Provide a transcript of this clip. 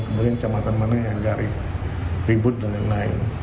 kemudian kecamatan mana yang nyari ribut dan lain lain